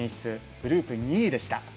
グループ２位でした。